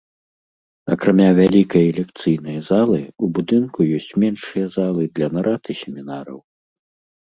Акрамя вялікай лекцыйнай залы, у будынку ёсць меншыя залы для нарад і семінараў.